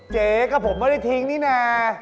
เจ๊กับผมไม่ได้ทิ้งนี่นะ